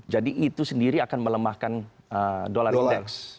jadi itu sendiri akan melemahkan dolar indeks